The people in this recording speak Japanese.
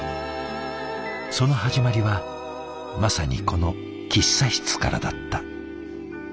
その始まりはまさにこの喫茶室からだった。